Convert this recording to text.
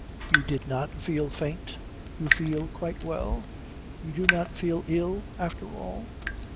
"You did not feel faint? You feel quite well? You do not feel ill after all?"